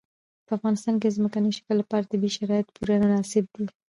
په افغانستان کې د ځمکني شکل لپاره طبیعي شرایط پوره مناسب دي.